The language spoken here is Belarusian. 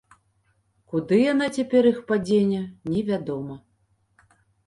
Куды яна цяпер іх падзене, невядома.